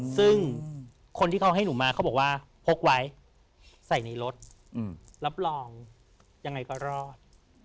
ซึ่งคนที่เขาให้หนูมาเขาบอกว่าพกไว้ใส่ในรถรับรองยังไงก็รอด